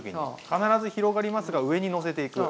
必ず広がりますが上にのせていく。